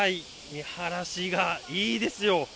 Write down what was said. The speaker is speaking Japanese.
見晴らしがいいですよ。